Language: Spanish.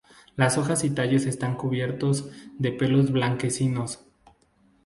Las hojas y tallos están cubiertos de pelos blanquecinos.